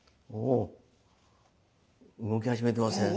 動き始めてません？